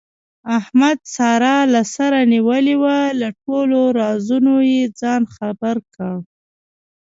احمد ساره له سره نیولې وه، له ټولو رازونو یې ځان خبر کړ.